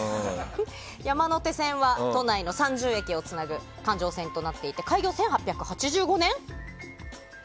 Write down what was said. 山手線は都内の３０駅をつなぐ環状線となっていて開業１８８５年。